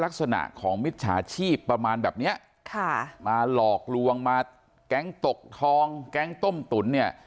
ลักษณะของมิจฉาชีพประมาณแบบเนี้ยค่ะมาหลอกลวงมาแก๊งตกทองแก๊งต้มตุ๋นเนี่ย